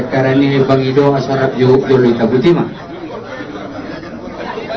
kami pasti selalu berhaya haya